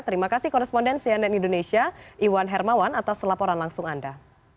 terima kasih koresponden cnn indonesia iwan hermawan atas laporan langsung anda